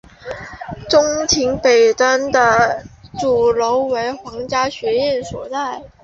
中庭北端的主楼为皇家学院所在。